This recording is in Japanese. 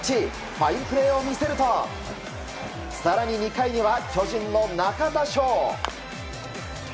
ファインプレーを見せると更に２回には巨人の中田翔。